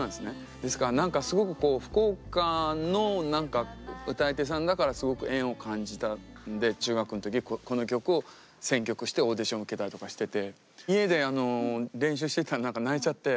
ですから何かすごくこう福岡の何か歌い手さんだからすごく縁を感じたんで中学の時この曲を選曲してオーディション受けたりとかしてて。